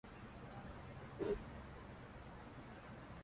Asariga mukofot olsa-ku, kuyib-yonamiz!